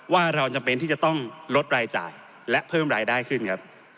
ว่าเราจำเป็นที่จะต้องลดรายจ่ายและเพิ่มรายได้ขึ้นครับ